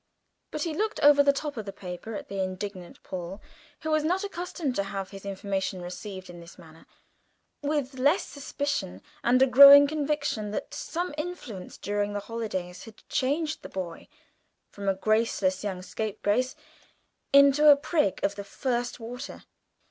But he glanced over the top of the paper at the indignant Paul, who was not accustomed to have his information received in this manner, with less suspicion and a growing conviction that some influence during the holidays had changed the boy from a graceless young scapegrace into a prig of the first water.